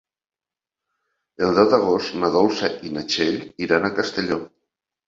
El deu d'agost na Dolça i na Txell iran a Castelló.